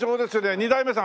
２代目さん？